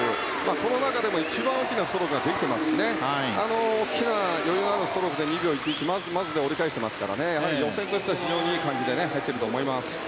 この中でも一番大きなストロークができていますし大きな余裕のあるストロークで２秒１１でまずまずで折り返していますからやはり予選としては非常にいい感じで入っていると思います。